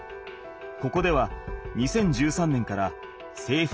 ここでは２０１３年からせいふ